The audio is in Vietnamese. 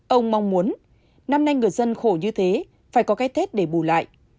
ông mong muốn năm nay người dân khổ như thế phải có cái tết để bù lại